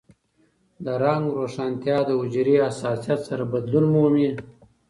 د رنګ روښانتیا د حجرې حساسیت سره بدلون مومي.